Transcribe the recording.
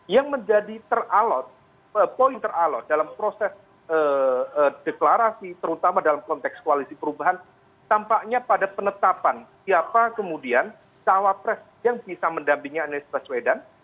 yang menjadi teralot poin teralot dalam proses deklarasi terutama dalam konteks koalisi perubahan tampaknya pada penetapan siapa kemudian cawapres yang bisa mendampingi anies baswedan